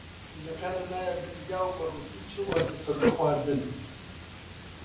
جلەکانم نایە بن گیا و بە ڕووتی چوومە تووتڕک خواردن